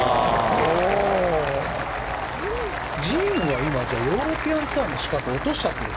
ジームはヨーロピアンツアーの資格を落としちゃってるの？